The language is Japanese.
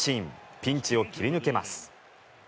ピンチを切り抜けます。